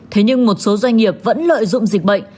thế nhưng một số doanh nghiệp vẫn lợi dụng dịch bệnh